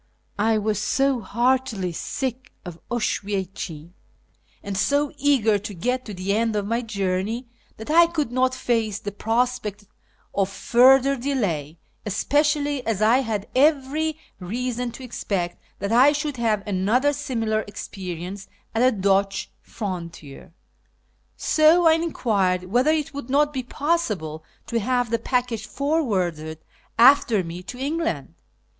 I was so heartily sick of Oswiecim, and so eager to get to the end of my journey, that I could not face the prospect of further delay, especially as I had every reason to expect that I should have another similar experience at the Dutch frontier ; so I enquired whether it would not be possible to have the package forwarded after me to England.